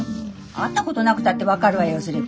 会ったことなくたって分かるわよそれぐらい。